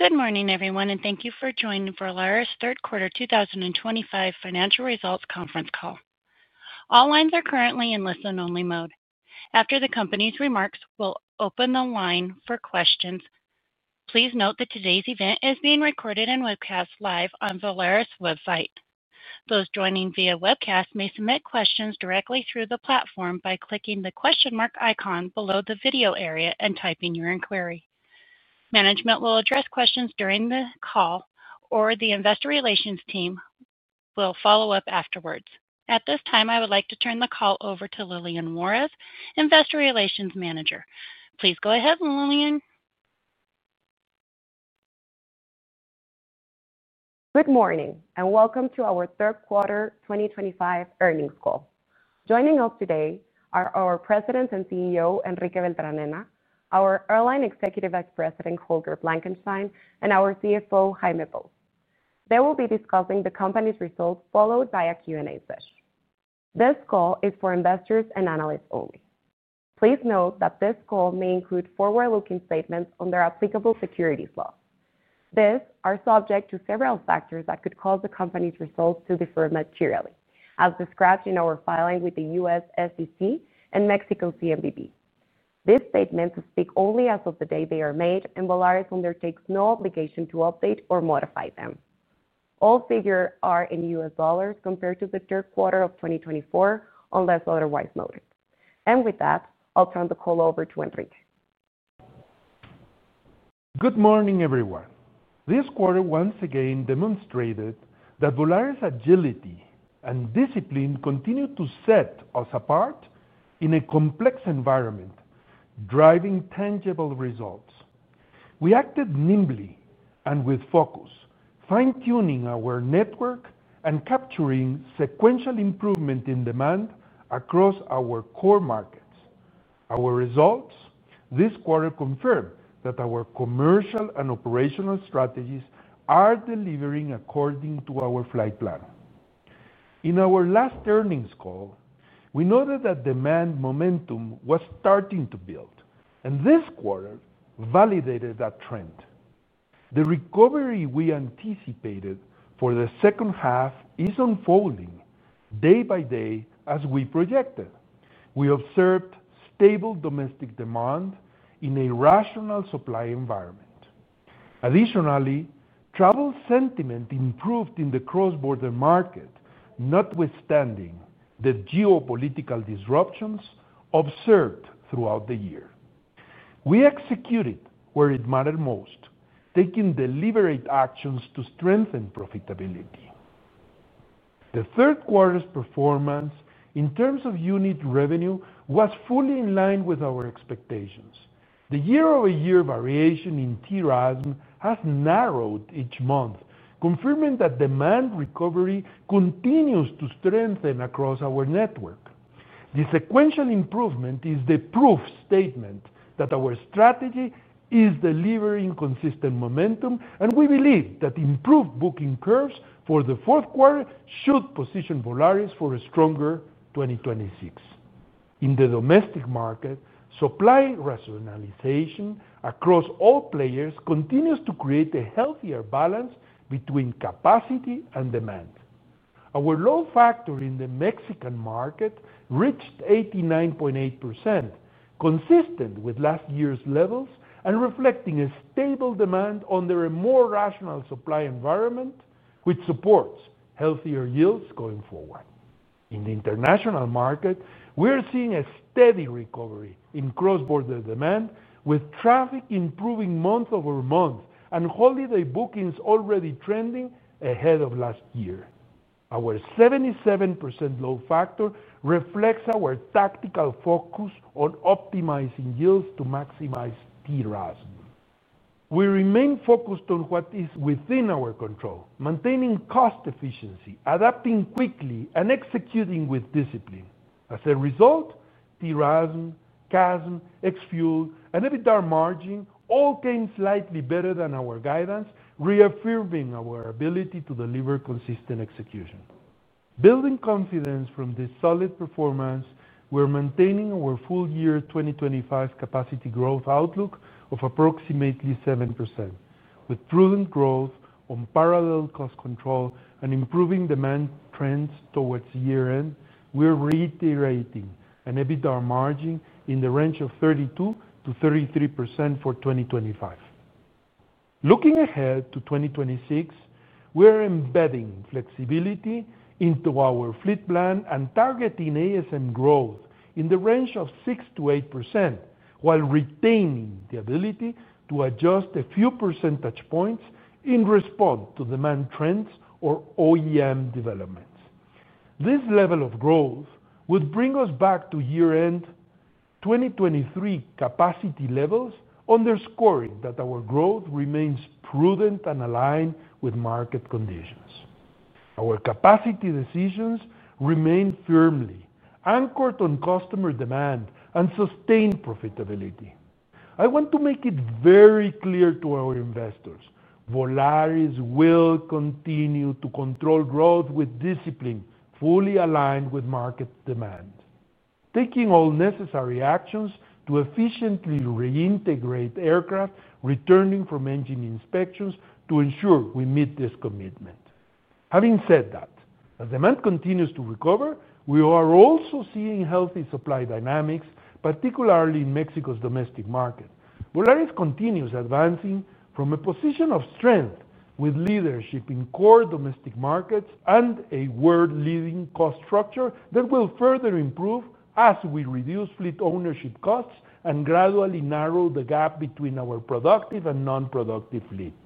Good morning, everyone, and thank you for joining the Volaris Third Quarter 2025 Financial Results Conference call. All lines are currently in listen-only mode. After the company's remarks, we'll open the line for questions. Please note that today's event is being recorded and webcast live on Volaris's website. Those joining via webcast may submit questions directly through the platform by clicking the question mark icon below the video area and typing your inquiry. Management will address questions during the call, or the Investor Relations team will follow up afterwards. At this time, I would like to turn the call over to Liliana Juárez, Investor Relations Manager. Please go ahead, Liliana. Good morning and welcome to our Third Quarter 2025 earnings call. Joining us today are our President and CEO, Enrique Beltranena, our Airline Executive Vice President, Holger Blankenstein, and our CFO, Jaime Pous They will be discussing the company's results, followed by a Q&A session. This call is for investors and analysts only. Please note that this call may include forward-looking statements under applicable securities laws. These are subject to several factors that could cause the company's results to differ materially, as described in our filing with the U.S. SEC and Mexico CNBV. These statements speak only as of the day they are made, and Volaris undertakes no obligation to update or modify them. All figures are in U.S. dollars compared to the third quarter of 2024, unless otherwise noted. With that, I'll turn the call over to Enrique. Good morning, everyone. This quarter, once again, demonstrated that Volaris's agility and discipline continue to set us apart in a complex environment, driving tangible results. We acted nimbly and with focus, fine-tuning our network and capturing sequential improvement in demand across our core markets. Our results this quarter confirm that our commercial and operational strategies are delivering according to our flight plan. In our last earnings call, we noted that demand momentum was starting to build, and this quarter validated that trend. The recovery we anticipated for the second half is unfolding day by day as we projected. We observed stable domestic demand in a rational supply environment. Additionally, travel sentiment improved in the cross-border market, notwithstanding the geopolitical disruptions observed throughout the year. We executed where it mattered most, taking deliberate actions to strengthen profitability. The third quarter's performance in terms of unit revenue was fully in line with our expectations. The year-over-year variation in TRASM has narrowed each month, confirming that demand recovery continues to strengthen across our network. This sequential improvement is the proof statement that our strategy is delivering consistent momentum, and we believe that improved booking curves for the fourth quarter should position Volaris for a stronger 2026. In the domestic market, supply rationalization across all players continues to create a healthier balance between capacity and demand. Our load factor in the Mexican market reached 89.8%, consistent with last year's levels and reflecting a stable demand under a more rational supply environment, which supports healthier yields going forward. In the international market, we are seeing a steady recovery in cross-border demand, with traffic improving month over month and holiday bookings already trending ahead of last year. Our 77% load factor reflects our tactical focus on optimizing yields to maximize TRASM. We remain focused on what is within our control, maintaining cost efficiency, adapting quickly, and executing with discipline. As a result, TRASM, CASM, X-Fuel, and EBITDA margin all came slightly better than our guidance, reaffirming our ability to deliver consistent execution. Building confidence from this solid performance, we're maintaining our full year 2025 capacity growth outlook of approximately 7%. With prudent growth on parallel cost control and improving demand trends towards year-end, we're reiterating an EBITDA margin in the range of 32-33% for 2025. Looking ahead to 2026, we're embedding flexibility into our fleet plan and targeting ASM growth in the range of 6 to 8%, while retaining the ability to adjust a few percentage points in response to demand trends or OEM developments. This level of growth would bring us back to year-end 2023 capacity levels, underscoring that our growth remains prudent and aligned with market conditions. Our capacity decisions remain firmly anchored on customer demand and sustained profitability. I want to make it very clear to our investors: Volaris will continue to control growth with discipline, fully aligned with market demand, taking all necessary actions to efficiently reintegrate aircraft returning from engine inspections to ensure we meet this commitment. Having said that, as demand continues to recover, we are also seeing healthy supply dynamics, particularly in Mexico's domestic market. Volaris continues advancing from a position of strength, with leadership in core domestic markets and a world-leading cost structure that will further improve as we reduce fleet ownership costs and gradually narrow the gap between our productive and non-productive fleet.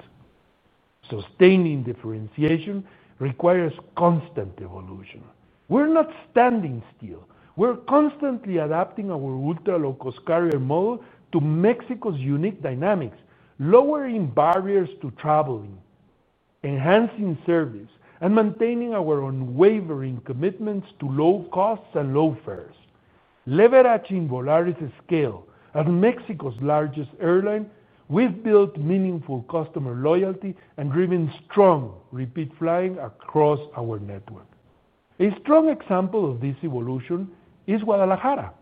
Sustaining differentiation requires constant evolution. We're not standing still. We're constantly adapting our ultra-low-cost carrier model to Mexico's unique dynamics, lowering barriers to traveling, enhancing service, and maintaining our unwavering commitments to low costs and low fares. Leveraging Volaris's scale as Mexico's largest airline, we've built meaningful customer loyalty and driven strong repeat flying across our network. A strong example of this evolution is Guadalajara.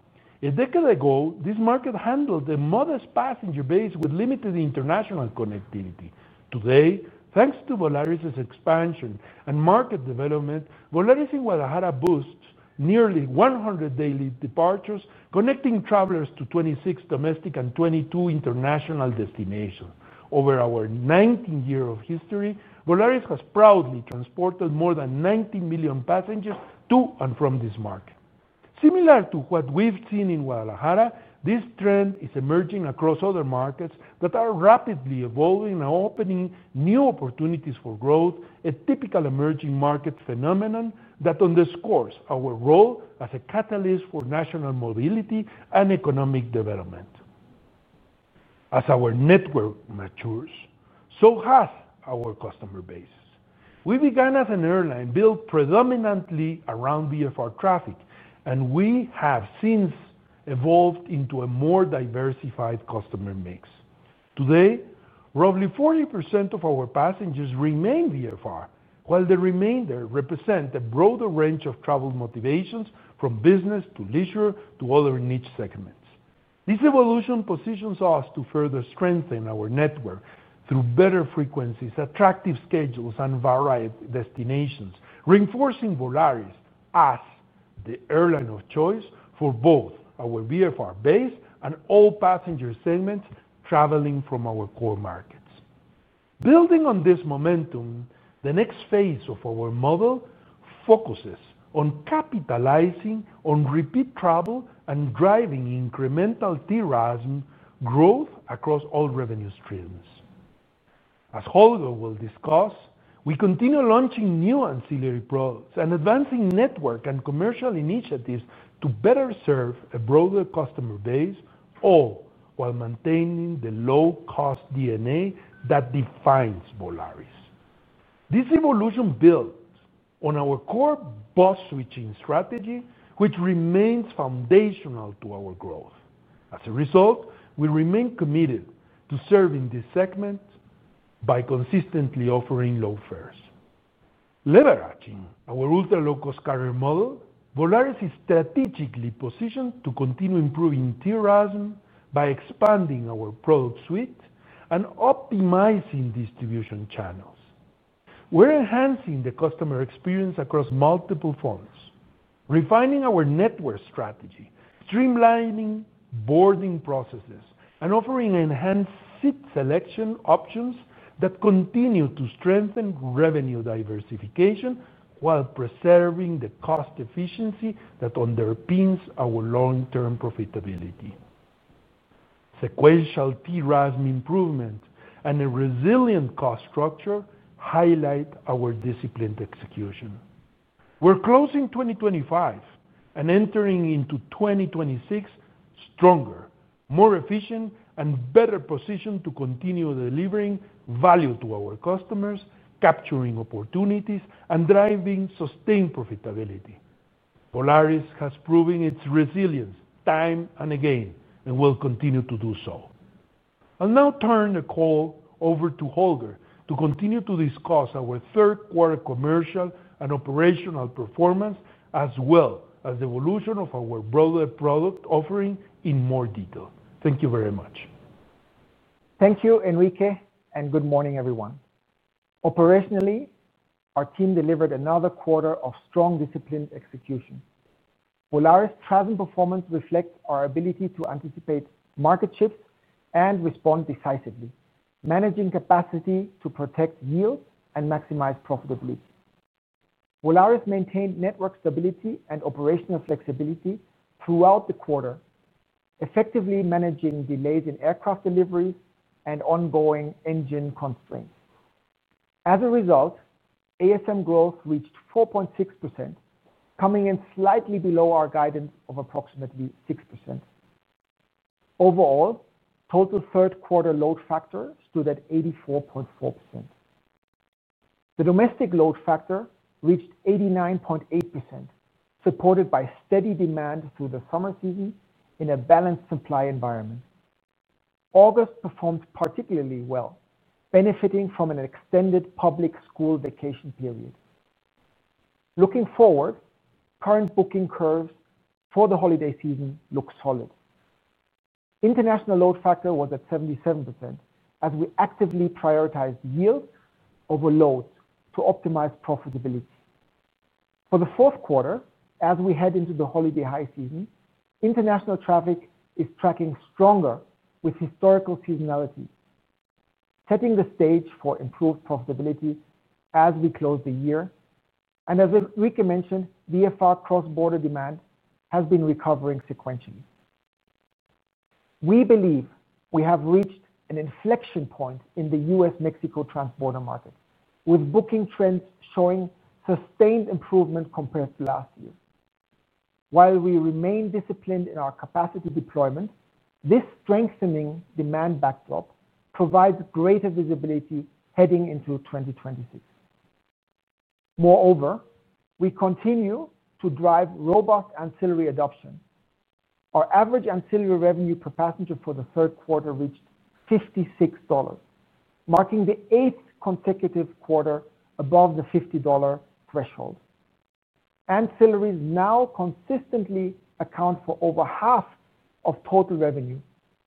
A decade ago, this market handled a modest passenger base with limited international connectivity. Today, thanks to Volaris's expansion and market development, Volaris in Guadalajara boasts nearly 100 daily departures, connecting travelers to 26 domestic and 22 international destinations. Over our 19-year history, Volaris has proudly transported more than 19 million passengers to and from this market. Similar to what we've seen in Guadalajara, this trend is emerging across other markets that are rapidly evolving and opening new opportunities for growth, a typical emerging market phenomenon that underscores our role as a catalyst for national mobility and economic development. As our network matures, so has our customer base. We began as an airline built predominantly around VFR traffic, and we have since evolved into a more diversified customer mix. Today, roughly 40% of our passengers remain VFR, while the remainder represents a broader range of travel motivations, from business to leisure to other niche segments. This evolution positions us to further strengthen our network through better frequencies, attractive schedules, and varied destinations, reinforcing Volaris as the airline of choice for both our VFR base and all passenger segments traveling from our core markets. Building on this momentum, the next phase of our model focuses on capitalizing on repeat travel and driving incremental TRASM growth across all revenue streams. As Holger will discuss, we continue launching new ancillary products and advancing network and commercial initiatives to better serve a broader customer base, all while maintaining the low-cost DNA that defines Volaris. This evolution builds on our core bus switching strategy, which remains foundational to our growth. As a result, we remain committed to serving this segment by consistently offering low fares. Leveraging our ultra-low-cost carrier model, Volaris is strategically positioned to continue improving TRASM by expanding our product suite and optimizing distribution channels. We're enhancing the customer experience across multiple fronts, refining our network strategy, streamlining boarding processes, and offering enhanced seat selection options that continue to strengthen revenue diversification while preserving the cost efficiency that underpins our long-term profitability. Sequential TRASM improvements and a resilient cost structure highlight our disciplined execution. We're closing 2025 and entering into 2026 stronger, more efficient, and better positioned to continue delivering value to our customers, capturing opportunities, and driving sustained profitability. Volaris has proven its resilience time and again and will continue to do so. I'll now turn the call over to Holger to continue to discuss our third quarter commercial and operational performance, as well as the evolution of our broader product offering in more detail. Thank you very much. Thank you, Enrique, and good morning, everyone. Operationally, our team delivered another quarter of strong, disciplined execution. Volaris's TRASM performance reflects our ability to anticipate market shifts and respond decisively, managing capacity to protect yields and maximize profitability. Volaris maintained network stability and operational flexibility throughout the quarter, effectively managing delays in aircraft deliveries and ongoing engine constraints. As a result, ASM growth reached 4.6%, coming in slightly below our guidance of approximately 6%. Overall, total third quarter load factor stood at 84.4%. The domestic load factor reached 89.8%, supported by steady demand through the summer season in a balanced supply environment. August performed particularly well, benefiting from an extended public school vacation period. Looking forward, current booking curves for the holiday season look solid. International load factor was at 77%, as we actively prioritized yield over loads to optimize profitability. For the fourth quarter, as we head into the holiday high season, international traffic is tracking stronger with historical seasonality, setting the stage for improved profitability as we close the year. As Enrique mentioned, VFR cross-border demand has been recovering sequentially. We believe we have reached an inflection point in the US-Mexico transborder market, with booking trends showing sustained improvement compared to last year. While we remain disciplined in our capacity deployment, this strengthening demand backdrop provides greater visibility heading into 2026. Moreover, we continue to drive robust ancillary adoption. Our average ancillary revenue per passenger for the third quarter reached $56, marking the eighth consecutive quarter above the $50 threshold. Ancillaries now consistently account for over half of total revenue,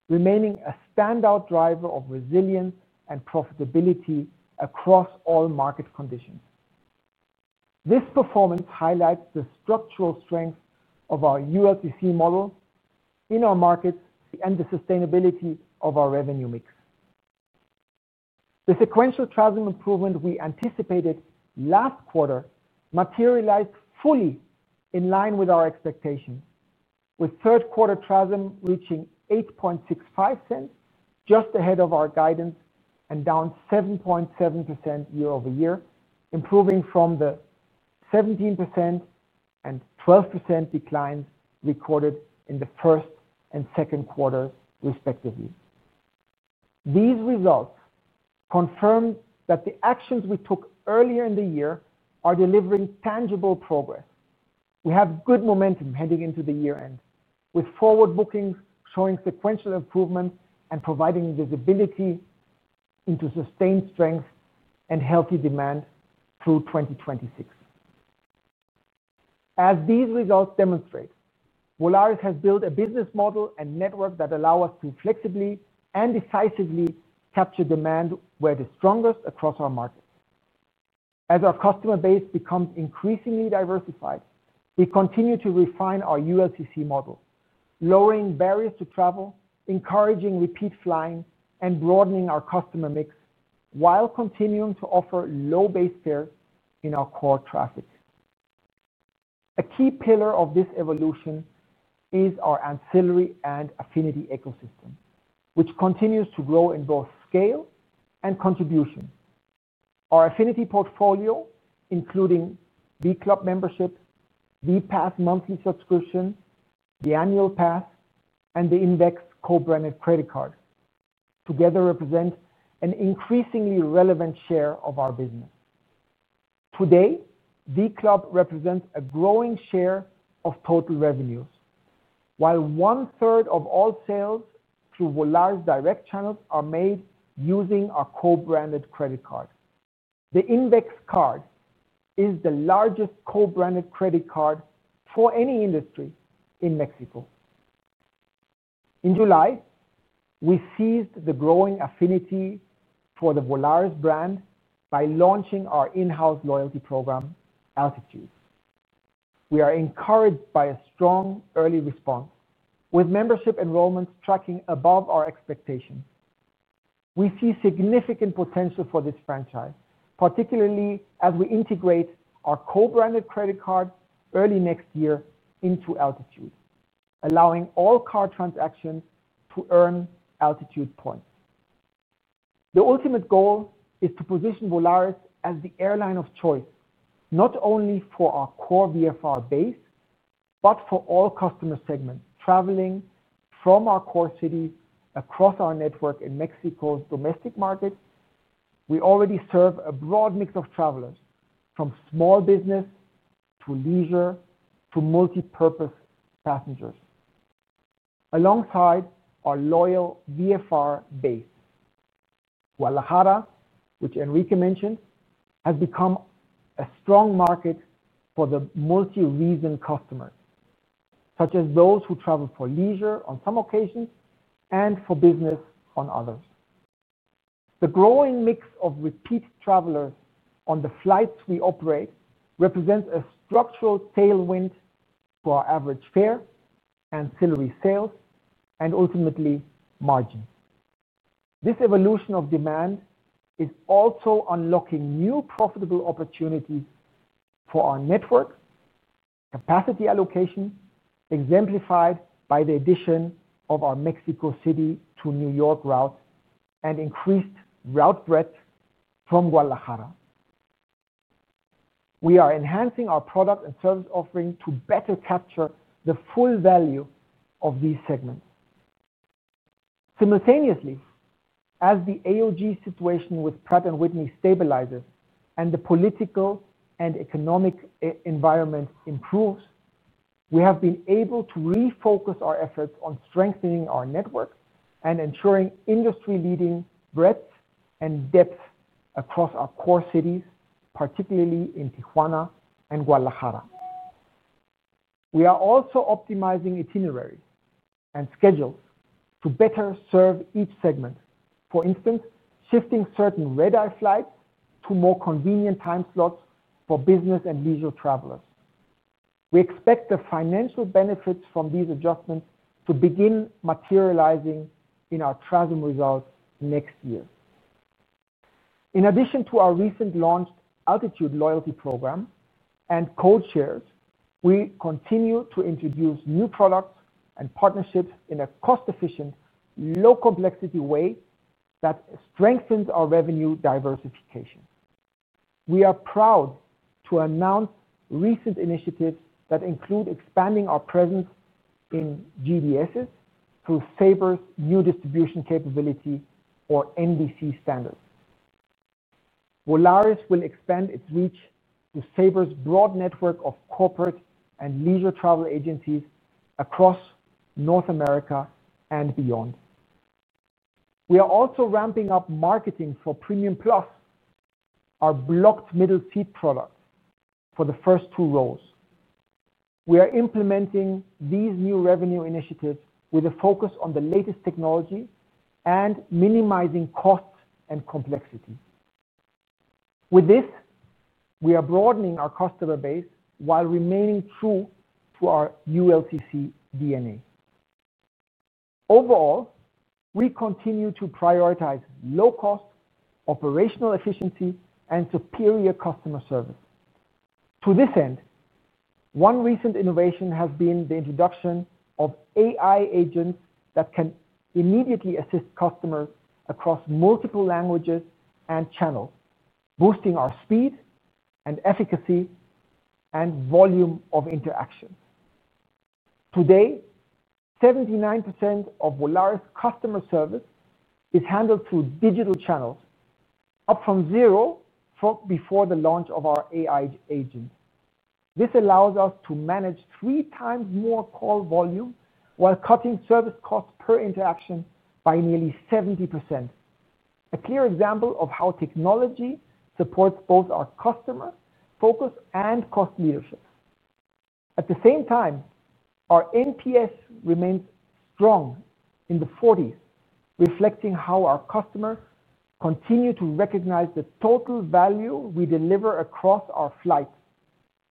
remaining a standout driver of resilience and profitability across all market conditions. This performance highlights the structural strength of our ULCC model in our markets and the sustainability of our revenue mix. The sequential TRASM improvement we anticipated last quarter materialized fully in line with our expectations, with third quarter TRASM reaching $0.0865, just ahead of our guidance and down 7.7% year-over-year, improving from the 17% and 12% declines recorded in the first and second quarter, respectively. These results confirm that the actions we took earlier in the year are delivering tangible progress. We have good momentum heading into the year-end, with forward bookings showing sequential improvements and providing visibility into sustained strength and healthy demand through 2026. As these results demonstrate, Volaris has built a business model and network that allow us to flexibly and decisively capture demand where it is strongest across our markets. As our customer base becomes increasingly diversified, we continue to refine our ULCC model, lowering barriers to travel, encouraging repeat flying, and broadening our customer mix while continuing to offer low base fares in our core traffic. A key pillar of this evolution is our ancillary and affinity ecosystem, which continues to grow in both scale and contribution. Our affinity portfolio, including VClub membership, VPass monthly subscription, the annual pass, and the Invex co-branded credit card, together represent an increasingly relevant share of our business. Today, VClub represents a growing share of total revenues, while one-third of all sales through Volaris direct channels are made using our co-branded credit card. The Invex card is the largest co-branded credit card for any industry in Mexico. In July, we seized the growing affinity for the Volaris brand by launching our in-house loyalty program, Altitude. We are encouraged by a strong early response, with membership enrollments tracking above our expectations. We see significant potential for this franchise, particularly as we integrate our co-branded credit card early next year into Altitude, allowing all card transactions to earn Altitude points. The ultimate goal is to position Volaris as the airline of choice, not only for our core VFR base but for all customer segments traveling from our core city across our network in Mexico's domestic markets. We already serve a broad mix of travelers, from small business to leisure to multipurpose passengers, alongside our loyal VFR base. Guadalajara, which Enrique mentioned, has become a strong market for the multi-reason customers, such as those who travel for leisure on some occasions and for business on others. The growing mix of repeat travelers on the flights we operate represents a structural tailwind for our average fare, ancillary sales, and ultimately margin. This evolution of demand is also unlocking new profitable opportunities for our network, capacity allocation, exemplified by the addition of our Mexico City to New York route and increased route breadth from Guadalajara. We are enhancing our product and service offering to better capture the full value of these segments. Simultaneously, as the AOG situation with Pratt & Whitney stabilizes and the political and economic environment improves, we have been able to refocus our efforts on strengthening our network and ensuring industry-leading breadth and depth across our core cities, particularly in Tijuana and Guadalajara. We are also optimizing itineraries and schedules to better serve each segment. For instance, shifting certain red-eye flights to more convenient time slots for business and leisure travelers. We expect the financial benefits from these adjustments to begin materializing in our TRASM results next year. In addition to our recently launched Altitude loyalty program and code shares, we continue to introduce new products and partnerships in a cost-efficient, low-complexity way that strengthens our revenue diversification. We are proud to announce recent initiatives that include expanding our presence in GDSs through Sabre's New Distribution Capability or NDC standards. Volaris will expand its reach to Sabre's broad network of corporate and leisure travel agencies across North America and beyond. We are also ramping up marketing for Premium Plus, our blocked middle seat product for the first two rows. We are implementing these new revenue initiatives with a focus on the latest technology and minimizing costs and complexity. With this, we are broadening our customer base while remaining true to our ULCC DNA. Overall, we continue to prioritize low cost, operational efficiency, and superior customer service. To this end, one recent innovation has been the introduction of AI agents that can immediately assist customers across multiple languages and channels, boosting our speed and efficacy and volume of interactions. Today, 79% of Volaris customer service is handled through digital channels, up from zero before the launch of our AI agent. This allows us to manage three times more call volume while cutting service costs per interaction by nearly 70%, a clear example of how technology supports both our customer focus and cost leadership. At the same time, our NPS remains strong in the 40s, reflecting how our customers continue to recognize the total value we deliver across our flights,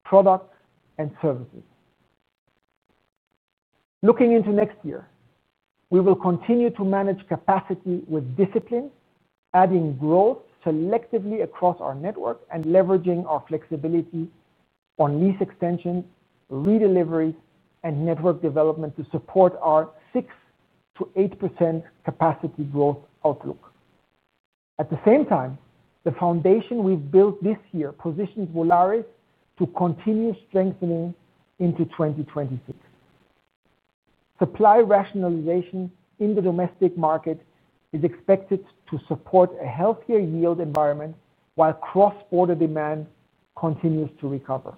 products, and services. Looking into next year, we will continue to manage capacity with discipline, adding growth selectively across our network and leveraging our flexibility on lease extensions, redeliveries, and network development to support our 6-8% capacity growth outlook. At the same time, the foundation we've built this year positions Volaris to continue strengthening into 2026. Supply rationalization in the domestic market is expected to support a healthier yield environment while cross-border demand continues to recover.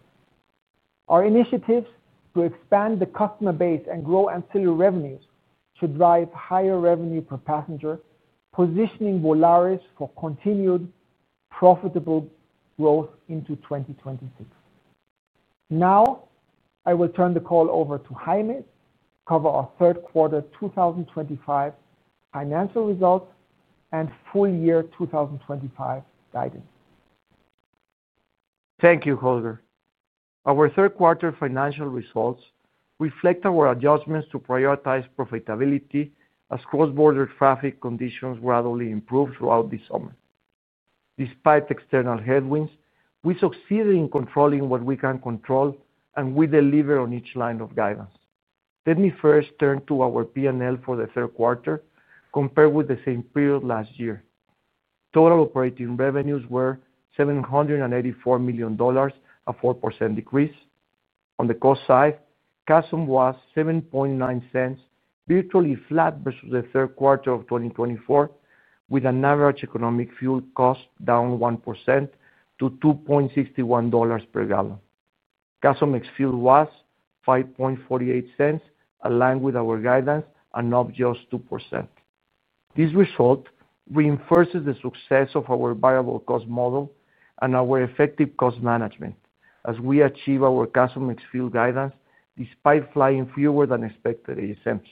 Our initiatives to expand the customer base and grow ancillary revenues should drive higher revenue per passenger, positioning Volaris for continued profitable growth into 2026. Now, I will turn the call over to Jaime to cover our third quarter 2025 financial results and full year 2025 guidance. Thank you, Holger. Our third quarter financial results reflect our adjustments to prioritize profitability as cross-border traffic conditions gradually improved throughout the summer. Despite external headwinds, we succeeded in controlling what we can control, and we deliver on each line of guidance. Let me first turn to our P&L for the third quarter compared with the same period last year. Total operating revenues were $784 million, a 4% decrease. On the cost side, CASM was $0.079, virtually flat versus the third quarter of 2024, with an average economic fuel cost down 1%-$2.61 per gallon. CASM ex-fuel was $0.0548, aligned with our guidance and up just 2%. This result reinforces the success of our variable cost model and our effective cost management as we achieve our CASM ex-fuel guidance despite flying fewer than expected ASMs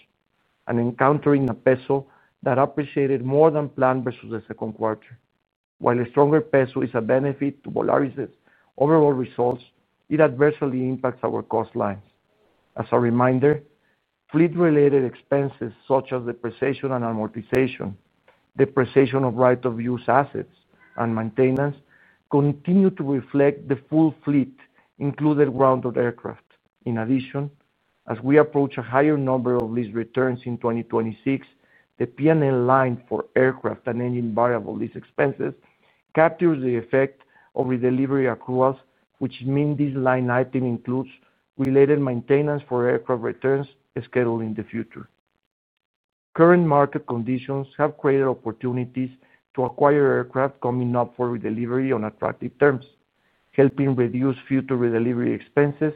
and encountering a peso that appreciated more than planned versus the second quarter. While a stronger peso is a benefit to Volaris's overall results, it adversely impacts our cost lines. As a reminder, fleet-related expenses such as depreciation and amortization, depreciation of right-of-use assets, and maintenance continue to reflect the full fleet including grounded aircraft. In addition, as we approach a higher number of lease returns in 2026, the P&L line for aircraft and engine variable lease expenses captures the effect of redelivery accruals, which means this line item includes related maintenance for aircraft returns scheduled in the future. Current market conditions have created opportunities to acquire aircraft coming up for redelivery on attractive terms, helping reduce future redelivery expenses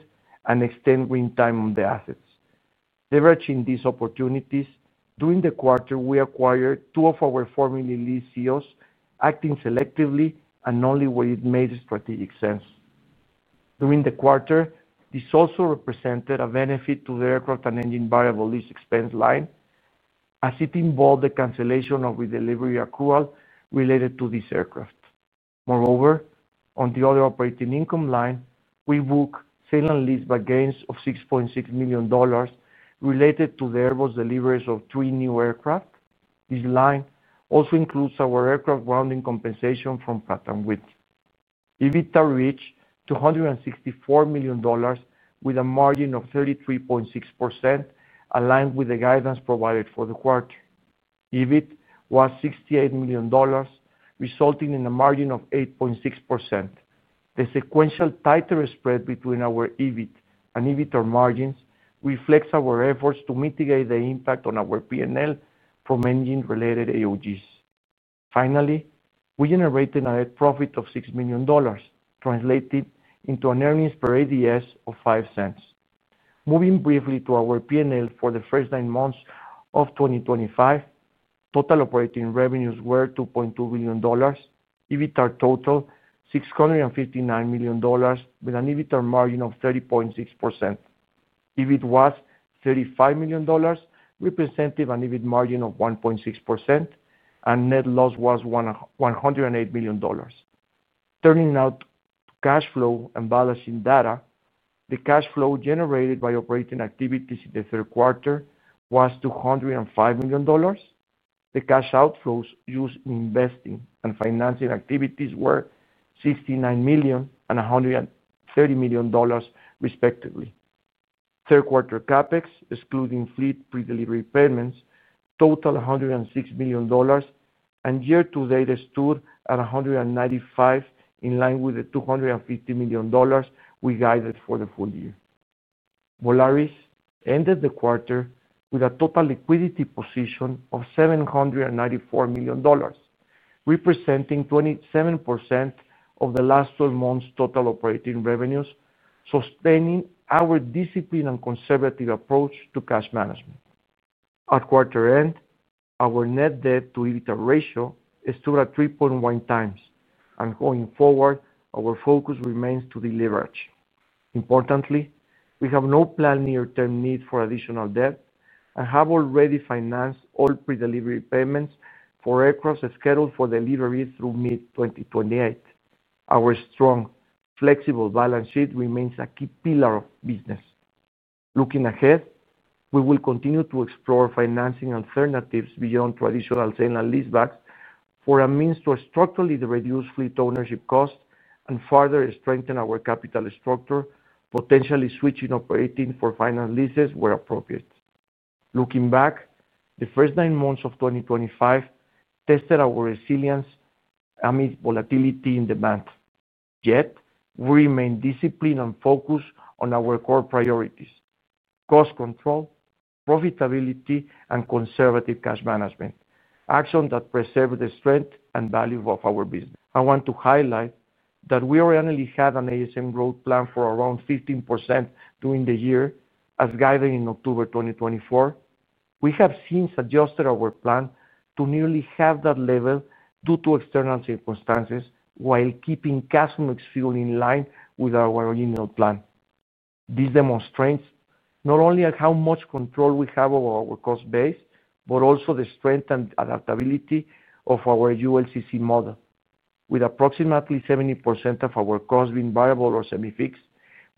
and extend green time on the assets. Leveraging these opportunities, during the quarter, we acquired two of our formerly leased CEOs, acting selectively and only when it made strategic sense. During the quarter, this also represented a benefit to the aircraft and engine variable lease expense line as it involved the cancellation of redelivery accrual related to these aircraft. Moreover, on the other operating income line, we booked sale and leaseback gains of $6.6 million related to the Airbus deliveries of three new aircraft. This line also includes our aircraft grounding compensation from Pratt & Whitney. EBITDA reached $264 million with a margin of 33.6%, aligned with the guidance provided for the quarter. EBIT was $68 million, resulting in a margin of 8.6%. The sequential tighter spread between our EBIT and EBITDA margins reflects our efforts to mitigate the impact on our P&L from engine-related AOGs. Finally, we generated a net profit of $6 million, translated into an earnings per ADS of $0.05. Moving briefly to our P&L for the first nine months of 2025, total operating revenues were $2.2 billion, EBITDA totaled $659 million, with an EBITDA margin of 30.6%. EBIT was $35 million, representing an EBIT margin of 1.6%, and net loss was $108 million. Turning now to cash flow and balance data, the cash flow generated by operating activities in the third quarter was $205 million. The cash outflows used in investing and financing activities were $69 million and $130 million, respectively. Third quarter CapEx, excluding fleet pre-delivery payments, totaled $106 million, and year to date stood at $195 million, in line with the $250 million we guided for the full year. Volaris ended the quarter with a total liquidity position of $794 million, representing 27% of the last 12 months' total operating revenues, sustaining our disciplined and conservative approach to cash management. At quarter end, our net debt to EBITDA ratio stood at 3.1x, and going forward, our focus remains to deleverage. Importantly, we have no planned near-term need for additional debt and have already financed all pre-delivery payments for aircraft scheduled for delivery through mid-2028. Our strong, flexible balance sheet remains a key pillar of business. Looking ahead, we will continue to explore financing alternatives beyond traditional sale and leasebacks for a means to structurally reduce fleet ownership costs and further strengthen our capital structure, potentially switching operating for finance leases where appropriate. Looking back, the first nine months of 2025 tested our resilience amid volatility in demand. Yet, we remain disciplined and focused on our core priorities: cost control, profitability, and conservative cash management, actions that preserve the strength and value of our business. I want to highlight that we originally had an ASM growth plan for around 15% during the year. As guided in October 2024, we have since adjusted our plan to nearly half that level due to external circumstances, while keeping CASM ex-fuel in line with our original plan. This demonstrates not only how much control we have over our cost base, but also the strength and adaptability of our ULCC model. With approximately 70% of our costs being variable or semi-fixed,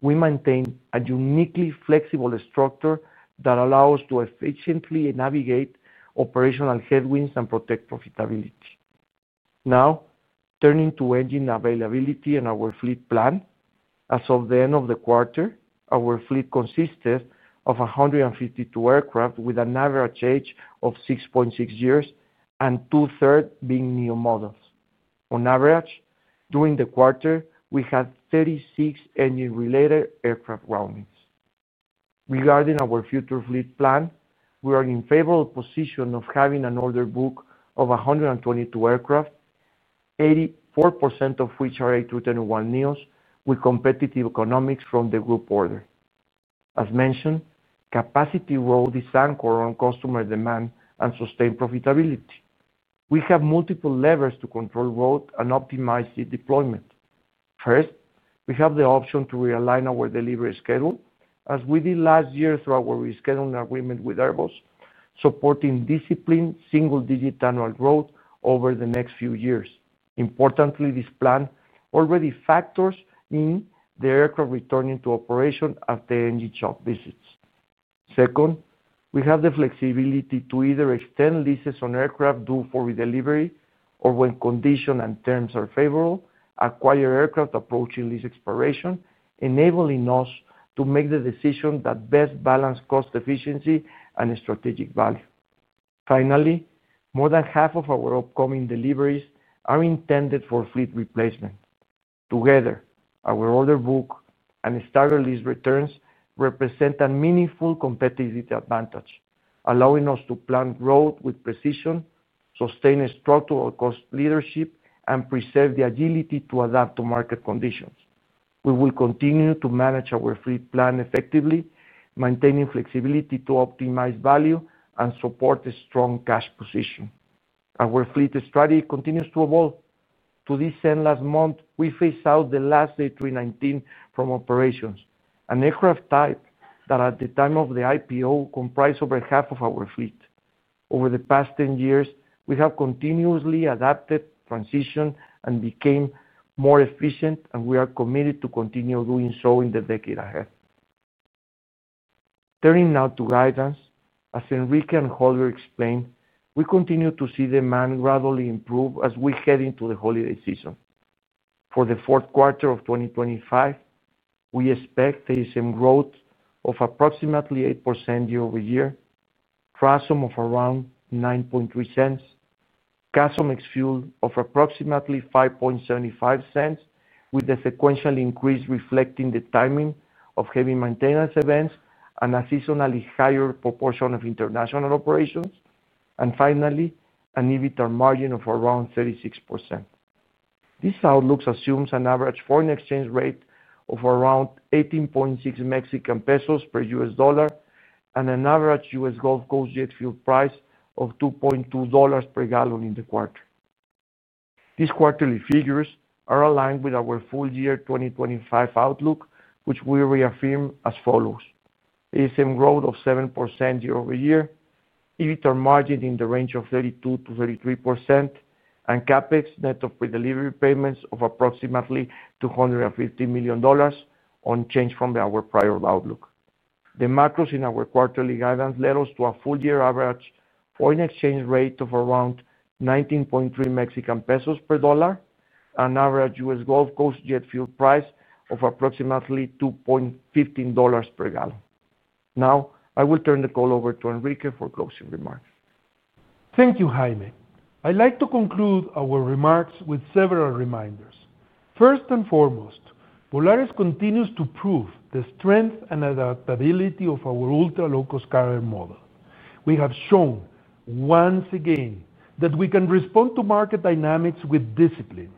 we maintain a uniquely flexible structure that allows us to efficiently navigate operational headwinds and protect profitability. Now, turning to engine availability and our fleet plan, as of the end of the quarter, our fleet consisted of 152 aircraft with an average age of 6.6 years and two-thirds being new models. On average, during the quarter, we had 36 engine-related aircraft groundings. Regarding our future fleet plan, we are in a favorable position of having an order book of 122 aircraft, 84% of which are A320neo to A321neo with competitive economics from the group order. As mentioned, capacity growth is anchored on customer demand and sustained profitability. We have multiple levers to control growth and optimize its deployment. First, we have the option to realign our delivery schedule, as we did last year through our rescheduling agreement with Airbus, supporting disciplined single-digit annual growth over the next few years. Importantly, this plan already factors in the aircraft returning to operation after engine shop visits. Second, we have the flexibility to either extend leases on aircraft due for redelivery or, when conditions and terms are favorable, acquire aircraft approaching lease expiration, enabling us to make the decision that best balances cost efficiency and strategic value. Finally, more than half of our upcoming deliveries are intended for fleet replacement. Together, our order book and starter lease returns represent a meaningful competitive advantage, allowing us to plan growth with precision, sustain structural cost leadership, and preserve the agility to adapt to market conditions. We will continue to manage our fleet plan effectively, maintaining flexibility to optimize value and support a strong cash position. Our fleet strategy continues to evolve. To this end, last month, we phased out the last A319 from operations, an aircraft type that, at the time of the IPO, comprised over half of our fleet. Over the past 10 years, we have continuously adapted, transitioned, and became more efficient, and we are committed to continue doing so in the decade ahead. Turning now to guidance, as Enrique Beltranena and Holger Blankenstein explained, we continue to see demand gradually improve as we head into the holiday season. For the fourth quarter of 2025, we expect ASM growth of approximately 8% year-over-year, CASM of around $0.093, CASM ex-fuel of approximately $0.0575, with a sequential increase reflecting the timing of heavy maintenance events and a seasonally higher proportion of international operations, and finally, an EBITDA margin of around 36%. This outlook assumes an average foreign exchange rate of around 18.6 Mexican pesos per U.S. dollar and an average U.S. Gulf Coast jet fuel price of $2.20 per gallon in the quarter. These quarterly figures are aligned with our full year 2025 outlook, which we reaffirm as follows: ASM growth of 7% year-over-year, EBITDA margin in the range of 32%-33%, and CapEx net of pre-delivery payments of approximately $250 million, unchanged from our prior outlook. The macros in our quarterly guidance led us to a full year average foreign exchange rate of around 19.3 Mexican pesos per dollar and an average U.S. Gulf Coast jet fuel price of approximately $2.15 per gallon. Now, I will turn the call over to Enrique for closing remarks. Thank you, Jaime. I'd like to conclude our remarks with several reminders. First and foremost, Volaris continues to prove the strength and adaptability of our ultra-low-cost carrier model. We have shown once again that we can respond to market dynamics with discipline.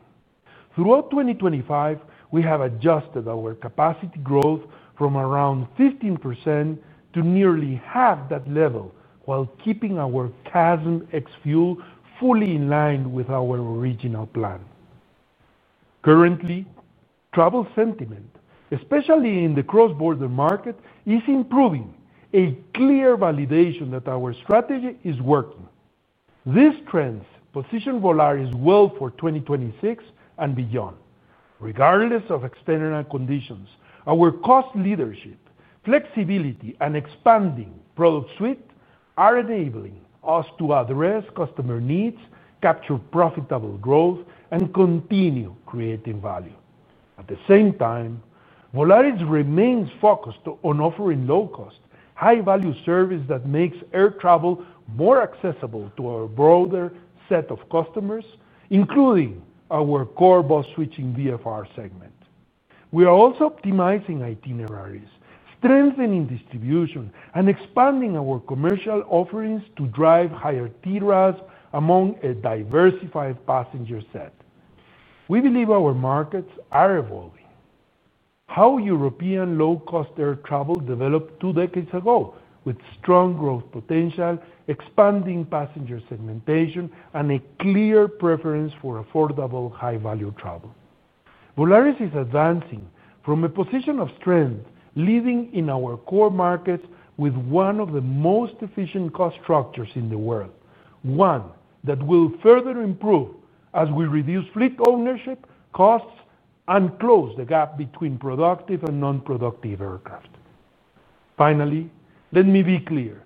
Throughout 2025, we have adjusted our capacity growth from around 15% to nearly half that level while keeping our CASM ex-fuel fully in line with our original plan. Currently, travel sentiment, especially in the cross-border market, is improving, a clear validation that our strategy is working. These trends position Volaris well for 2026 and beyond. Regardless of external conditions, our cost leadership, flexibility, and expanding product suite are enabling us to address customer needs, capture profitable growth, and continue creating value. At the same time, Volaris remains focused on offering low-cost, high-value service that makes air travel more accessible to our broader set of customers, including our core bus switching VFR segment. We are also optimizing itineraries, strengthening distribution, and expanding our commercial offerings to drive higher TRASM among a diversified passenger set. We believe our markets are evolving. How European low-cost air travel developed two decades ago, with strong growth potential, expanding passenger segmentation, and a clear preference for affordable, high-value travel. Volaris is advancing from a position of strength, leading in our core markets with one of the most efficient cost structures in the world, one that will further improve as we reduce fleet ownership costs and close the gap between productive and non-productive aircraft. Finally, let me be clear.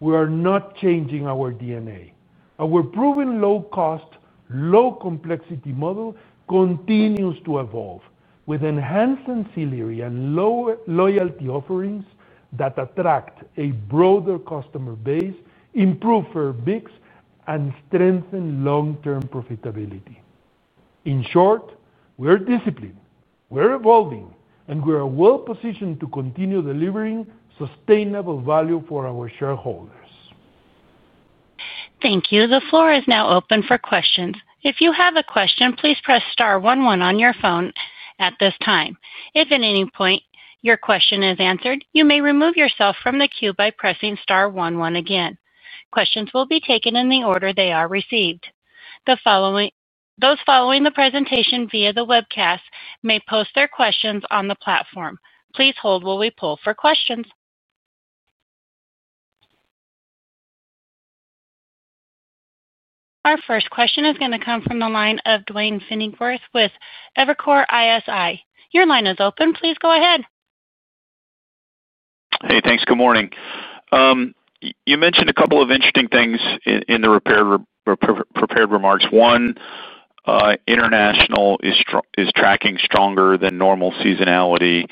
We are not changing our DNA. Our proven low-cost, low-complexity model continues to evolve, with enhanced ancillary and low loyalty offerings that attract a broader customer base, improve our mix, and strengthen long-term profitability. In short, we are disciplined, we're evolving, and we are well positioned to continue delivering sustainable value for our shareholders. Thank you. The floor is now open for questions. If you have a question, please press star 11 on your phone at this time. If at any point your question is answered, you may remove yourself from the queue by pressing star 11 again. Questions will be taken in the order they are received. Those following the presentation via the webcast may post their questions on the platform. Please hold while we pull for questions. Our first question is going to come from the line of Duane Pfennigwerth with Evercore ISI. Your line is open. Please go ahead. Hey, thanks. Good morning. You mentioned a couple of interesting things in the prepared remarks. One, international is tracking stronger than normal seasonality,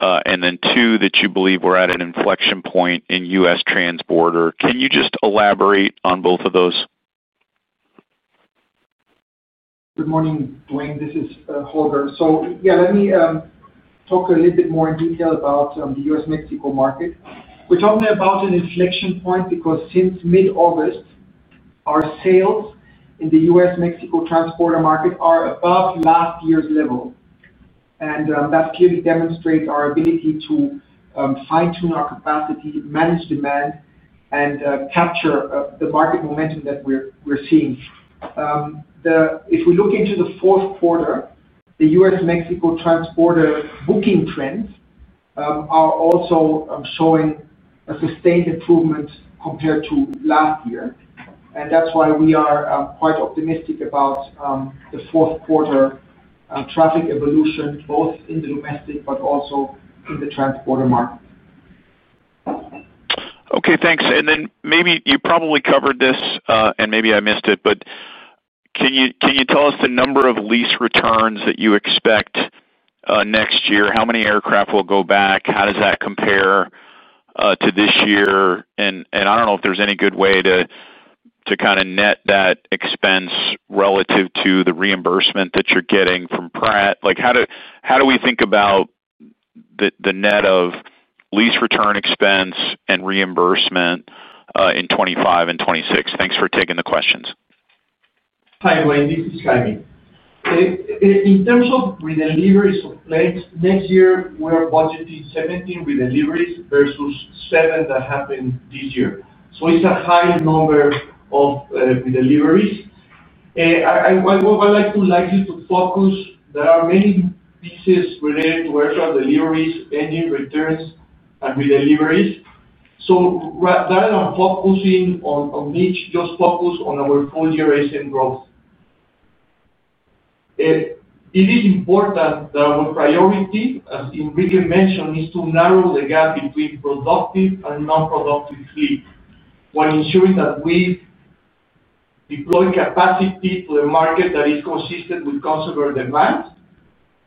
and then two, that you believe we're at an inflection point in US-Mexico transborder. Can you just elaborate on both of those? Good morning, Duane. This is Holger. Let me talk a little bit more in detail about the US-Mexico market. We're talking about an inflection point because since mid-August, our sales in the US-Mexico transborder market are above last year's level. That clearly demonstrates our ability to fine-tune our capacity, manage demand, and capture the market momentum that we're seeing. If we look into the fourth quarter, the US-Mexico transborder booking trends are also showing a sustained improvement compared to last year. That's why we are quite optimistic about the fourth quarter traffic evolution, both in the domestic but also in the transborder market. Okay, thanks. Maybe you probably covered this, and maybe I missed it, but can you tell us the number of lease returns that you expect next year? How many aircraft will go back? How does that compare to this year? I don't know if there's any good way to kind of net that expense relative to the reimbursement that you're getting from Pratt & Whitney. How do we think about the net of lease return expense and reimbursement in 2025 and 2026? Thanks for taking the questions. Hi, Duane. This is Jaime. In terms of re-deliveries of planes, next year we are budgeting 17 re-deliveries versus 7 that happened this year. It's a high number of re-deliveries. I'd like you to focus that there are many pieces related to aircraft deliveries, engine returns, and re-deliveries. Rather than focusing on each, just focus on our full year ASM growth. It is important that our priority, as Enrique mentioned, is to narrow the gap between productive and non-productive fleet while ensuring that we deploy capacity to a market that is consistent with consumer demands,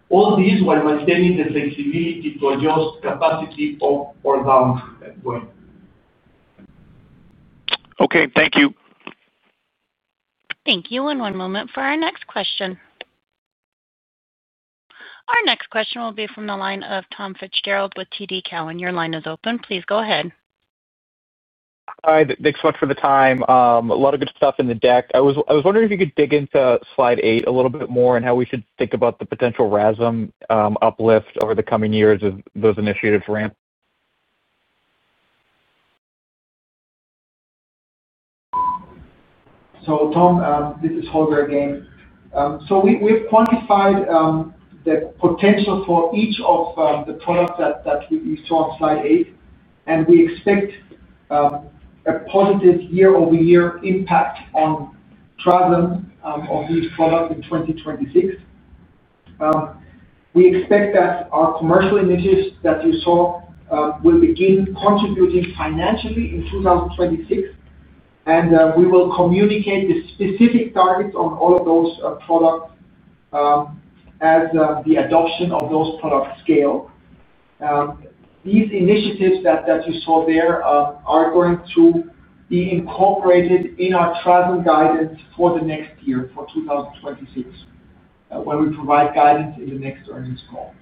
all this while maintaining the flexibility to adjust capacity up or down, Duane. Okay, thank you. Thank you. One moment for our next question. Our next question will be from the line of Tom Fitzgerald with TD Cowen. Your line is open. Please go ahead. Hi. Thanks a lot for the time. A lot of good stuff in the deck. I was wondering if you could dig into slide eight a little bit more and how we should think about the potential RASM uplift over the coming years as those initiatives ramp. This is Holger again. We've quantified the potential for each of the products that we saw on slide eight, and we expect a positive year-over-year impact on RASM of these products in 2026. We expect that our commercial initiatives that you saw will begin contributing financially in 2026, and we will communicate the specific targets on all of those products as the adoption of those products scales. These initiatives that you saw there are going to be incorporated in our TRASM guidance for the next year, for 2026, when we provide guidance in the next earnings call.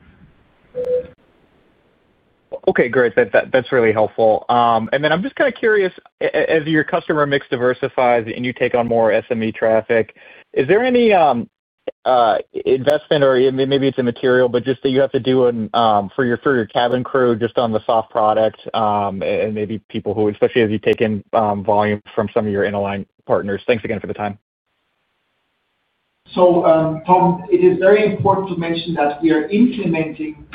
Okay, great. That's really helpful. I'm just kind of curious, as your customer mix diversifies and you take on more SME traffic, is there any investment, or maybe it's immaterial, but just that you have to do for your cabin crew just on the soft product and maybe people who, especially as you've taken volume from some of your inline partners? Thanks again for the time. It is very important to mention that we are implementing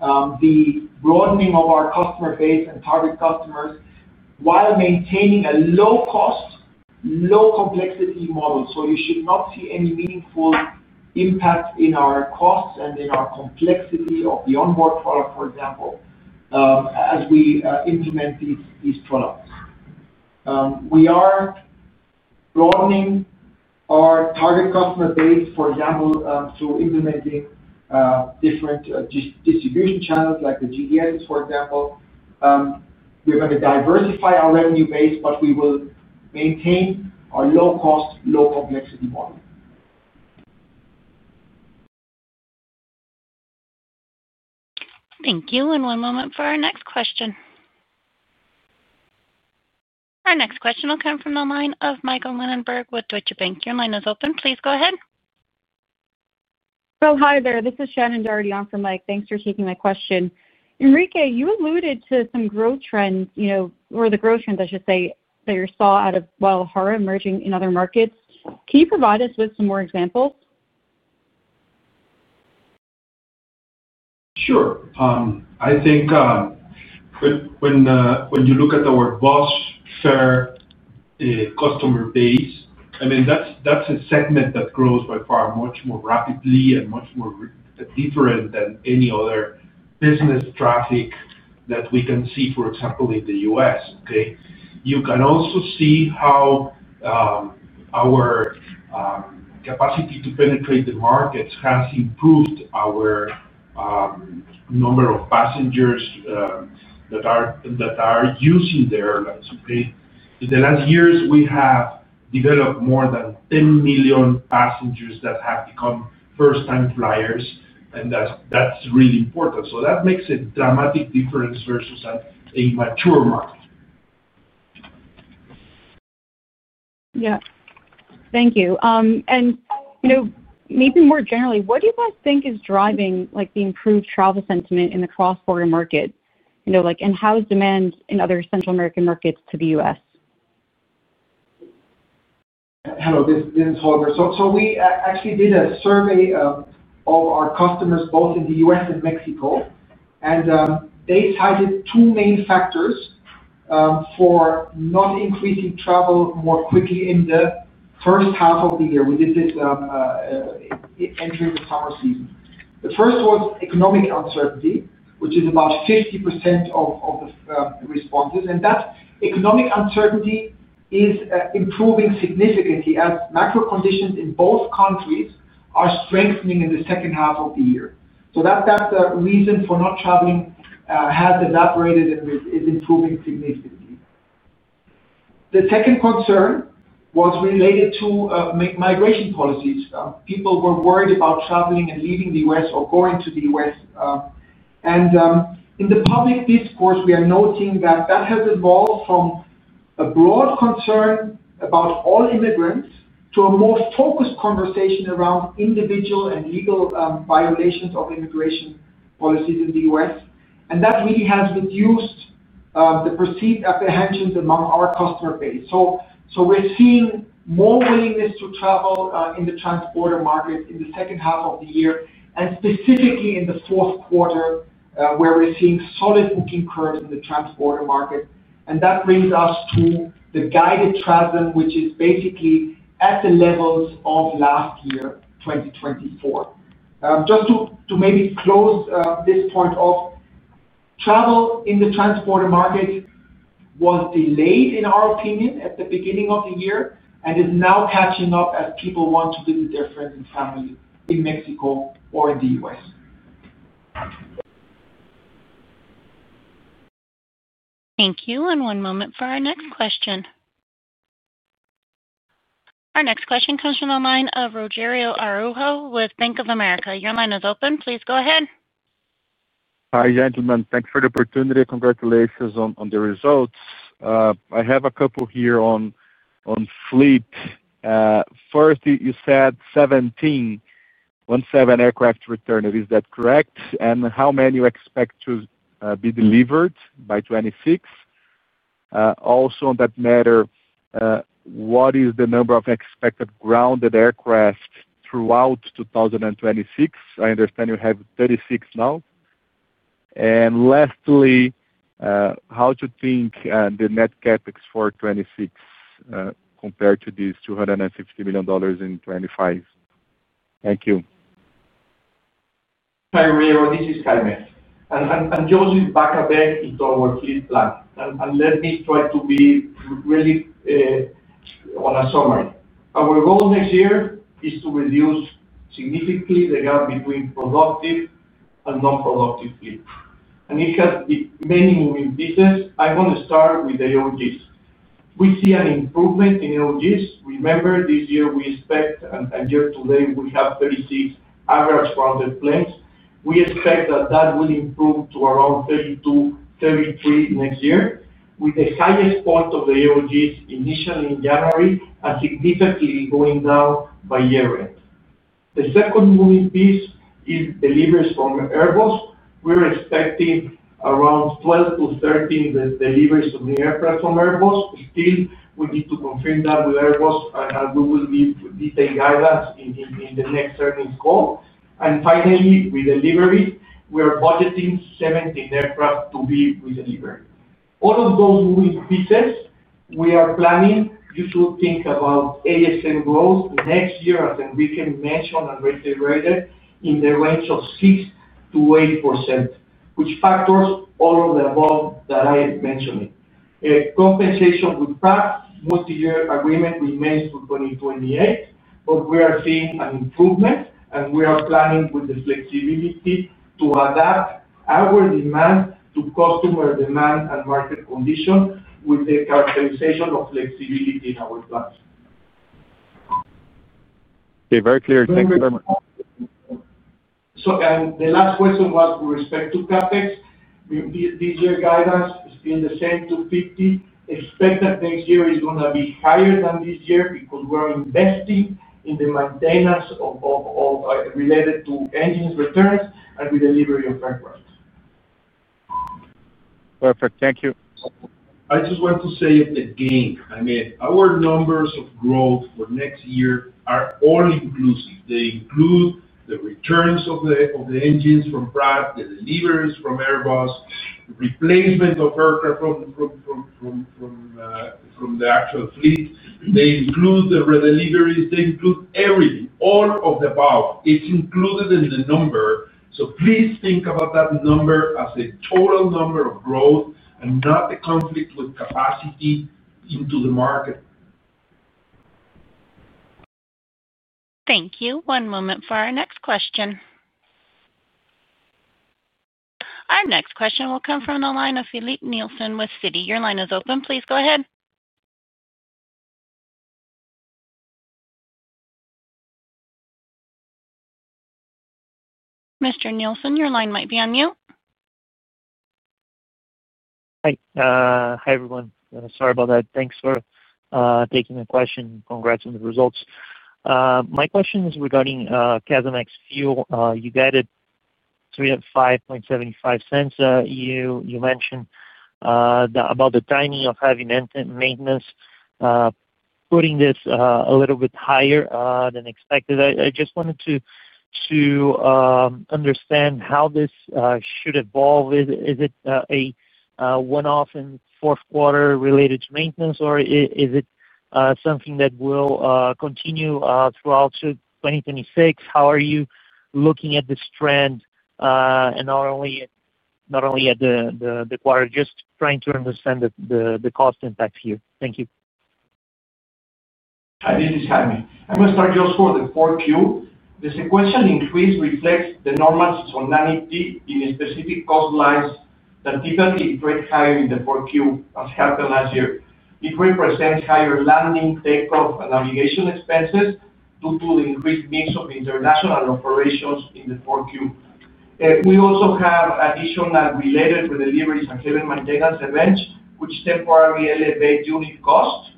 the broadening of our customer base and target customers while maintaining a low-cost, low-complexity model. You should not see any meaningful impact in our costs and in our complexity of the onboard product, for example, as we implement these products. We are broadening our target customer base, for example, through implementing different distribution channels like the GDSs, for example. We're going to diversify our revenue base, but we will maintain our low-cost, low-complexity model. Thank you. One moment for our next question. Our next question will come from the line of Michael Lindenberg with Deutsche Bank. Your line is open. Please go ahead. Hi there. This is Shannon Doherty on for Mike. Thanks for taking my question. Enrique, you alluded to some growth trends, you know, or the growth trends, I should say, that you saw out of Guadalajara emerging in other markets. Can you provide us with some more examples? Sure. I think when you look at our bus fare customer base, that's a segment that grows by far much more rapidly and much more different than any other business traffic that we can see, for example, in the U.S. You can also see how our capacity to penetrate the markets has improved our number of passengers that are using the airlines. In the last years, we have developed more than 10 million passengers that have become first-time flyers, and that's really important. That makes a dramatic difference versus a mature market. Thank you. Maybe more generally, what do you guys think is driving the improved travel sentiment in the cross-border market? How is demand in other Central American markets to the U.S.? Hello. This is Holger. We actually did a survey of our customers both in the U.S. and Mexico, and they cited two main factors for not increasing travel more quickly in the first half of the year. We did this entering the summer season. The first was economic uncertainty, which is about 50% of the responses. That economic uncertainty is improving significantly as macro conditions in both countries are strengthening in the second half of the year. The reason for not traveling has evaporated and is improving significantly. The second concern was related to migration policies. People were worried about traveling and leaving the U.S. or going to the U.S. In the public discourse, we are noting that has evolved from a broad concern about all immigrants to a more focused conversation around individual and legal violations of immigration policies in the U.S. That really has reduced the perceived apprehensions among our customer base. We are seeing more willingness to travel in the transborder market in the second half of the year, specifically in the fourth quarter, where we are seeing solid booking curves in the transborder market. That brings us to the guided TRASM, which is basically at the levels of last year, 2024. Just to maybe close this point off, travel in the transborder market was delayed, in our opinion, at the beginning of the year and is now catching up as people want to visit their friends and family in Mexico or in the U.S. Thank you. One moment for our next question. Our next question comes from the line of Rogelio Araujo with Bank of America. Your line is open. Please go ahead. Hi, gentlemen. Thanks for the opportunity. Congratulations on the results. I have a couple here on fleet. First, you said 17, 17 aircraft return. Is that correct? How many you expect to be delivered by 2026? Also, on that matter, what is the number of expected grounded aircraft throughout 2026? I understand you have 36 now. Lastly, how do you think the net CapEx for 2026 compares to these $250 million in 2025? Thank you. Hi, Rogelio. This is Jaime. Jose is back again into our fleet plan. Let me try to be really on a summary. Our goal next year is to reduce significantly the gap between productive and non-productive fleet. It has many moving pieces. I'm going to start with AOGs. We see an improvement in AOGs. Remember, this year we expect, and year to date, we have 36 average grounded planes. We expect that will improve to around 32, 33 next year, with the highest point of the AOGs initially in January and significantly going down by year end. The second moving piece is deliveries from Airbus. We're expecting around 12-13 deliveries of aircraft from Airbus. Still, we need to confirm that with Airbus and we will need detailed guidance in the next earnings call. Finally, with deliveries, we are budgeting 17 aircraft to be re-delivered. All of those moving pieces, we are planning you to think about ASM growth next year, as Enrique mentioned and reiterated, in the range of 6%-8%, which factors all of the above that I am mentioning. Compensation with Pratt, multi-year agreement remains to 2028, but we are seeing an improvement, and we are planning with the flexibility to adapt our demand to customer demand and market condition with the characterization of flexibility in our plans. Okay, very clear. Thank you very much. The last question was with respect to CapEx. This year's guidance is still the same, $250 million. Expect that next year is going to be higher than this year because we're investing in the maintenance related to engine returns and re-delivery of aircraft. Perfect. Thank you. I just want to say it again. I mean, our numbers of growth for next year are all-inclusive. They include the returns of the engines from Pratt & Whitney, the deliveries from Airbus, the replacement of aircraft from the actual fleet. They include the re-deliveries. They include everything, all of the above. It's included in the number. Please think about that number as a total number of growth and not the conflict with capacity into the market. Thank you. One moment for our next question. Our next question will come from the line of Filipe Nielsen with Citi. Your line is open. Please go ahead. Mr. Nielsen, your line might be on mute. Hi, everyone. Sorry about that. Thanks for taking the question. Congrats on the results. My question is regarding CASM ex-fuel. You guided $0.03575. You mentioned about the timing of having maintenance, putting this a little bit higher than expected. I just wanted to understand how this should evolve. Is it a one-off in fourth quarter related to maintenance, or is it something that will continue throughout 2026? How are you looking at this trend and not only at the quarter? Just trying to understand the cost impact here. Thank you. Hi. This is Jaime. I'm going to start just for the fourth quarter. The sequential increase reflects the normal solidity in specific cost lines that typically break higher in the fourth quarter, as happened last year. It represents higher landing, takeoff, and navigation expenses due to the increased mix of international operations in the fourth quarter. We also have additional related re-deliveries and heavy maintenance events, which temporarily elevate unit costs.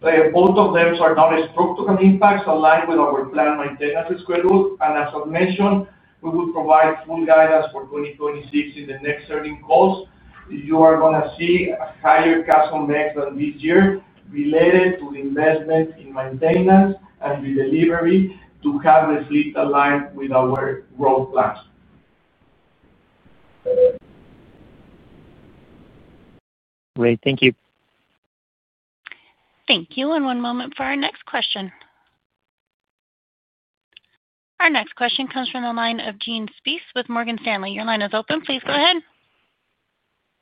Both of them are non-structural impacts aligned with our planned maintenance schedule. As I mentioned, we will provide full guidance for 2026 in the next earnings calls. You are going to see a higher CASM mix than this year related to the investment in maintenance and re-delivery to have the fleet aligned with our growth plans. Great. Thank you. Thank you. One moment for our next question. Our next question comes from the line of Jens Spiess with Morgan Stanley. Your line is open. Please go ahead.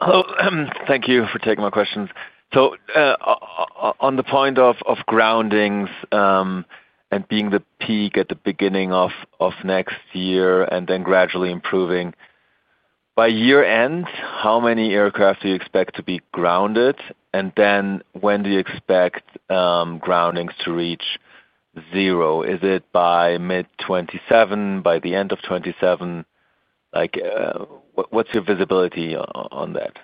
Thank you for taking my questions. On the point of groundings and being the peak at the beginning of next year and then gradually improving, by year end, how many aircraft do you expect to be grounded? When do you expect groundings to reach zero? Is it by mid 2027, by the end of 2027? What's your visibility on that?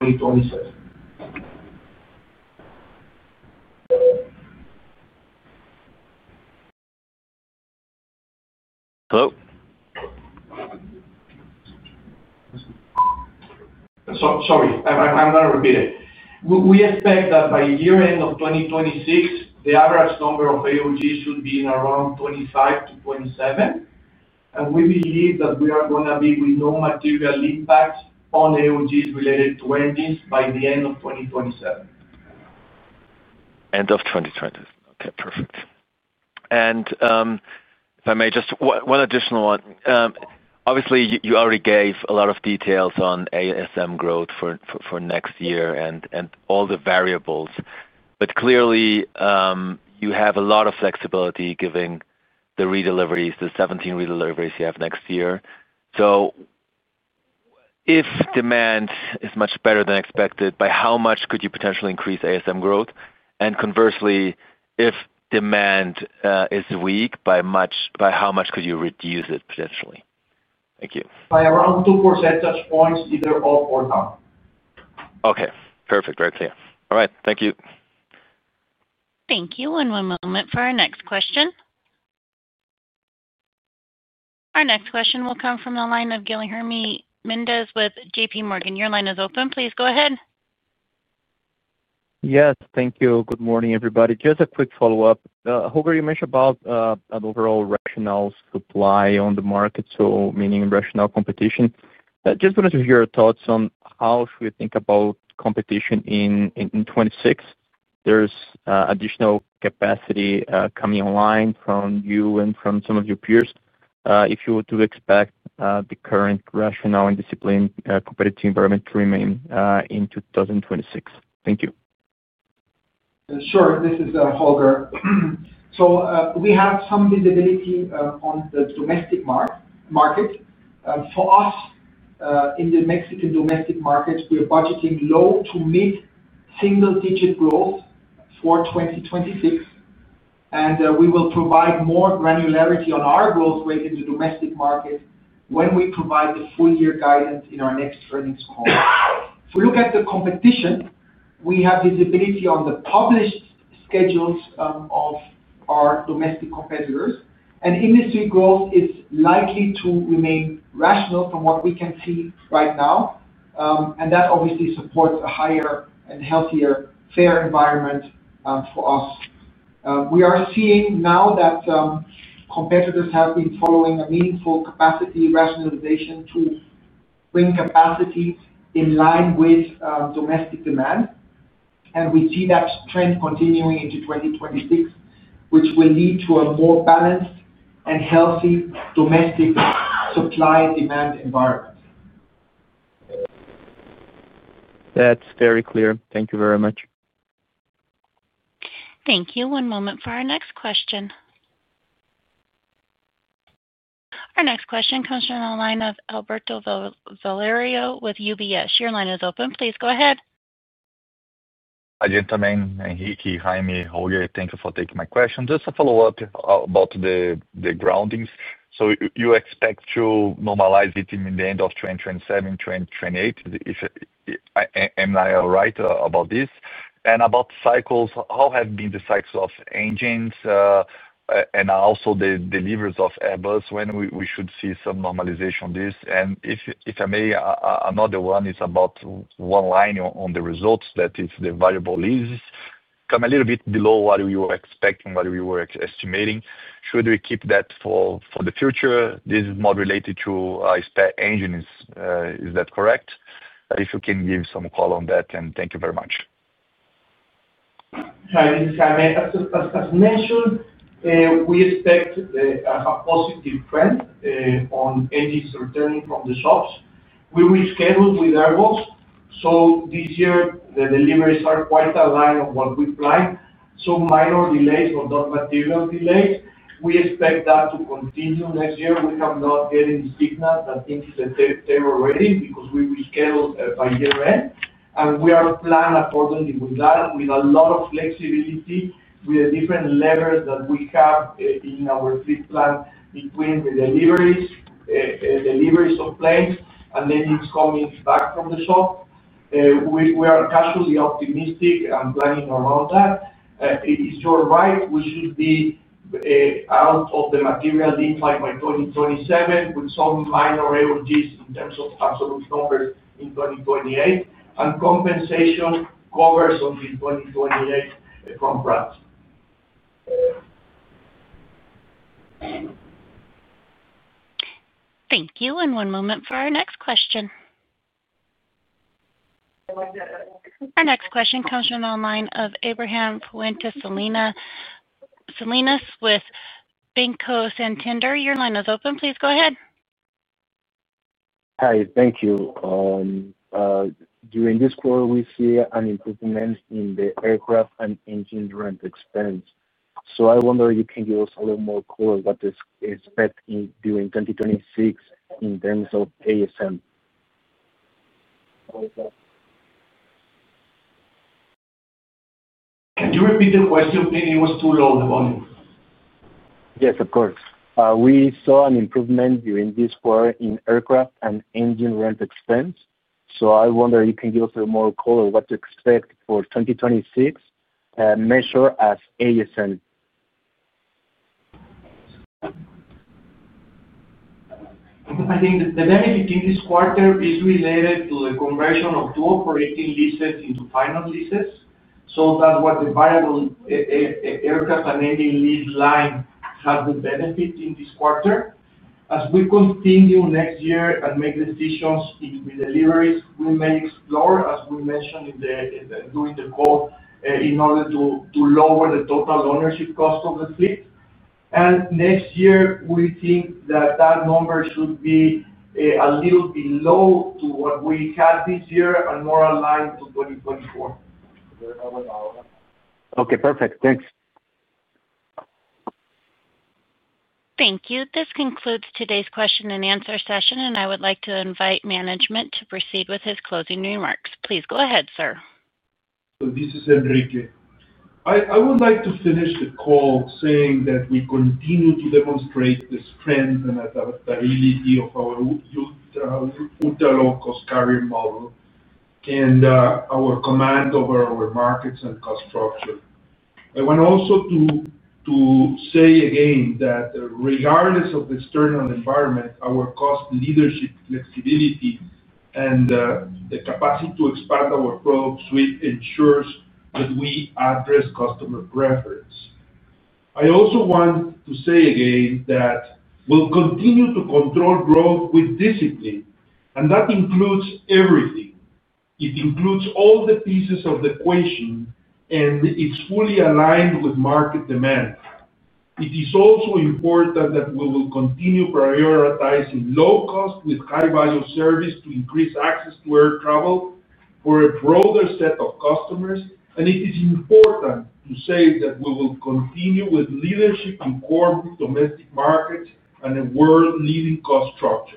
2027. Hello? I'm going to repeat it. We expect that by year end of 2026, the average number of AOGs should be in around 25 to 27. We believe that we are going to be with no material impacts on AOGs related to engines by the end of 2027. End of 2020. Okay, perfect. If I may, just one additional one. Obviously, you already gave a lot of details on ASM growth for next year and all the variables. Clearly, you have a lot of flexibility given the re-deliveries, the 17 re-deliveries you have next year. If demand is much better than expected, by how much could you potentially increase ASM growth? Conversely, if demand is weak, by how much could you reduce it potentially? Thank you. By around 2% touch points either up or down. Okay. Perfect. Very clear. All right, thank you. Thank you. One moment for our next question. Our next question will come from the line of Guilherme Mendes with JPMorgan. Your line is open. Please go ahead. Yes. Thank you. Good morning, everybody. Just a quick follow-up. Holger, you mentioned about an overall rational supply on the market, meaning rational competition. I just wanted to hear your thoughts on how should we think about competition in 2026. There's additional capacity coming online from you and from some of your peers. If you were to expect the current rationale and discipline competitive environment to remain in 2026. Thank you. This is Holger. We have some visibility on the domestic market. For us, in the Mexican domestic markets, we are budgeting low to mid single-digit growth for 2026. We will provide more granularity on our growth rate in the domestic market when we provide the full year guidance in our next earnings call. If we look at the competition, we have visibility on the published schedules of our domestic competitors. Industry growth is likely to remain rational from what we can see right now. That obviously supports a higher and healthier fare environment for us. We are seeing now that competitors have been following a meaningful capacity rationalization to bring capacity in line with domestic demand. We see that trend continuing into 2026, which will lead to a more balanced and healthy domestic supply-demand environment. That's very clear. Thank you very much. Thank you. One moment for our next question. Our next question comes from the line of Alberto Valerio with UBS. Your line is open. Please go ahead. Gentlemen, Enrique, Jaime, Holger, thank you for taking my question. Just a follow-up about the groundings. You expect to normalize it in the end of 2027, 2028, if I am right about this? About cycles, how have been the cycles of engines and also the deliveries of Airbus? When should we see some normalization on this? If I may, another one is about one line on the results that if the variable leases come a little bit below what we were expecting, what we were estimating, should we keep that for the future? This is more related to spare engines. Is that correct? If you can give some call on that, thank you very much. Hi, this is Jaime. As I mentioned, we expect a positive trend on engines returning from the shops. We rescheduled with Airbus. This year, the deliveries are quite aligned on what we planned. Some minor delays or non-material delays, we expect that to continue next year. We have not yet any signal that things are terrible already because we rescheduled by year end. We are planning accordingly with that, with a lot of flexibility, with the different levers that we have in our fleet plan between re-deliveries, deliveries of planes, and then it's coming back from the shop. We are casually optimistic and planning around that. It is your right. We should be out of the material impact by 2027 with some minor AOGs in terms of absolute numbers in 2028. Compensation covers until 2028 from Pratt & Whitney. Thank you. One moment for our next question. Our next question comes from the line of Abraham Fuentes Salinas with Banco Santander. Your line is open. Please go ahead. Hi. Thank you. During this quarter, we see an improvement in the aircraft and engine rent expense. I wonder if you can give us a little more color what to expect during 2026 in terms of ASM. Can you repeat the question? It was too long. The volume. Yes, of course. We saw an improvement during this quarter in aircraft and engine rent expense. I wonder if you can give us a little more color what to expect for 2026, measured as ASM. I think the benefit in this quarter is related to the conversion of two operating leases into final leases. That's what the variable aircraft and engine lease line has the benefit in this quarter. As we continue next year and make decisions in re-deliveries, we may explore, as we mentioned during the call, in order to lower the total ownership cost of the fleet. Next year, we think that that number should be a little below to what we had this year and more aligned to 2024. Okay, perfect. Thanks! Thank you. This concludes today's question and answer session, and I would like to invite management to proceed with his closing remarks. Please go ahead, sir. This is Enrique. I would like to finish the call saying that we continue to demonstrate the strength and adaptability of our ultra-low-cost carrier model and our command over our markets and cost structure. I want also to say again that regardless of the external environment, our cost leadership, flexibility, and the capacity to expand our product suite ensures that we address customer preference. I also want to say again that we'll continue to control growth with discipline, and that includes everything. It includes all the pieces of the equation, and it's fully aligned with market demand. It is also important that we will continue prioritizing low cost with high-value service to increase access to air travel for a broader set of customers. It is important to say that we will continue with leadership in core domestic markets and a world-leading cost structure.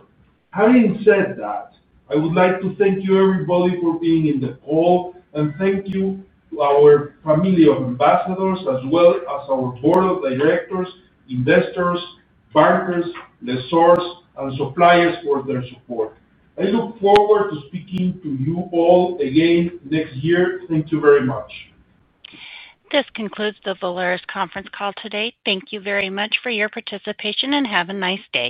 Having said that, I would like to thank you, everybody, for being in the call, and thank you to our family of ambassadors, as well as our board of directors, investors, bankers, lessors, and suppliers for their support. I look forward to speaking to you all again next year. Thank you very much. This concludes the Volaris conference call today. Thank you very much for your participation and have a nice day.